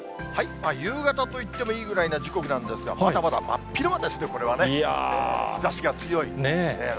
夕方と言ってもいいぐらいな時刻なんですが、まだまだ真っ昼間ですね、これはね。日ざしが強い。